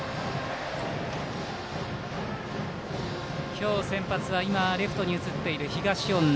今日、先発はレフトに移っている東恩納。